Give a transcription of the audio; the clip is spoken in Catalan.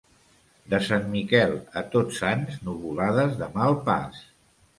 De Sant Miquel a Tots Sants, nuvolades de mal pas.